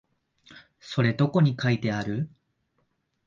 それどこに書いてある？